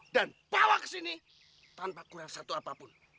dan bawa ke sini tanpa kurang satu apapun